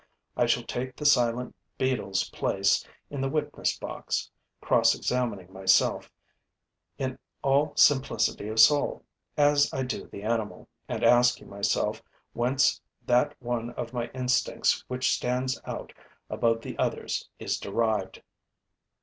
I shall take the silent beetle's place in the witness box, cross examining myself in all simplicity of soul, as I do the animal, and asking myself whence that one of my instincts which stands out above the others is derived.